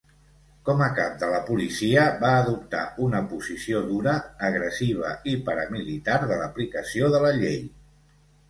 Com a cap de la policia, va adoptar una posició dura, agressiva i paramilitar de l'aplicació de la llei.